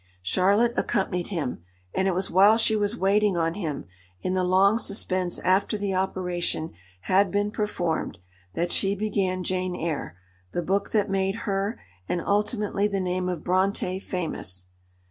Charlotte accompanied him, and it was while she was waiting on him, in the long suspense after the operation had been performed, that she began Jane Eyre, the book that made her, and ultimately the name of Brontë, famous.